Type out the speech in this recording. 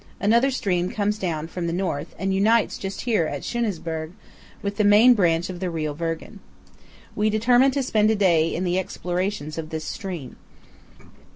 Another stream comes down from the north and unites just here at Schunesburg with the main branch of the Rio Virgen. We determine to spend a day in the exploration of this stream.